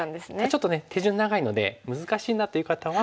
ちょっとね手順長いので難しいなという方は。